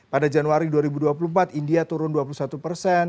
pada januari dua ribu dua puluh empat india turun dua puluh satu persen